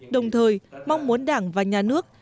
đồng thời mong muốn đảng và nhà nước